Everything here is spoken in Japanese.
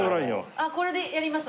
あっこれでやります